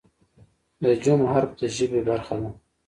د "ج" حرف د ژبې برخه ده.